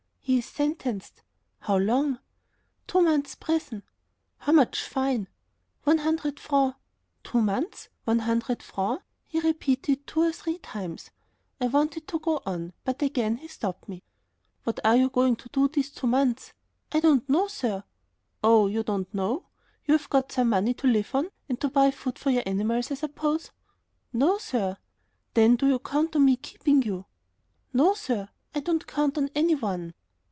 "He is sentenced." "How long?" "Two months' prison." "How much fine?" "One hundred francs." "Two months ... one hundred francs," he repeated two or three times. I wanted to go on, but again he stopped me. "What are you going to do these two months?" "I don't know, sir." "Oh, you don't know. You've got some money to live on and to buy food for your animals, I suppose." "No, sir." "Then do you count on me keeping you?" "No, sir, I don't count on any one."